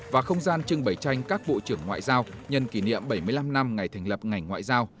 và không gian trưng bày tranh các bộ trưởng ngoại giao nhân kỷ niệm bảy mươi năm năm ngày thành lập ngành ngoại giao